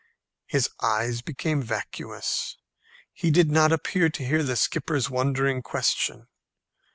His eyes became vacuous. He did not appear to hear the skipper's wondering question.